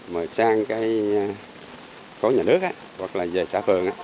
mà sang cái khối nhà nước á hoặc là về xã phường á